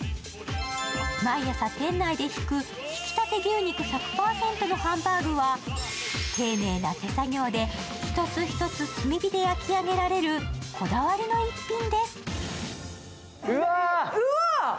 毎朝、店内でひく、ひきたて牛肉１００％のハンバーグは丁寧な手作業で一つ一つ炭火で焼き上げられるこだわりの逸品です。